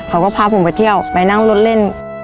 เขาก็พาผมไปเที่ยวไปนั่งรถเล่น